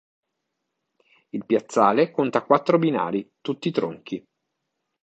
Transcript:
Il piazzale conta quattro binari tutti tronchi.